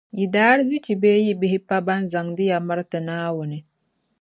Yi daarzichi bee yi bihi pa ban zaŋdi ya miriti Naawuni.